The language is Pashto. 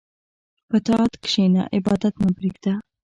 په طاعت کښېنه، عبادت مه پرېږده.